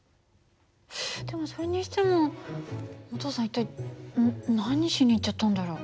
でもそれにしてもお父さん一体何しに行っちゃったんだろう？